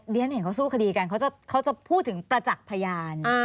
เรียนเห็นเขาสู้คดีกันเขาจะพูดถึงประจักษ์พยาน